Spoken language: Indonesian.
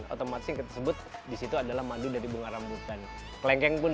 otomatis yang kita sebut di situ adalah madu dari bunga rambutan